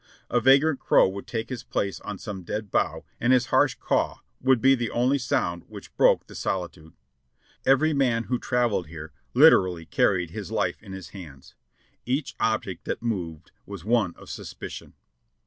A vagrant crow would take his place on some dead bough and his harsh caw would be the only sound which broke the solitude. Every man who traveled here literally carried his life in his hands. Each object that moved was one of suspicion.